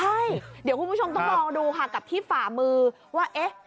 ใช่เดี๋ยวคุณผู้ชมต้องลองดูค่ะกับที่ฝ่ามือว่าเอ๊ะ